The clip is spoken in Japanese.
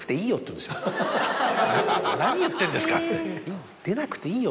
「何言ってんですか」っつって。